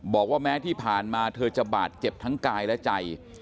บอกว่าแม้ที่ผ่านมาเธอจะบาดเจ็บทั้งกายและใจ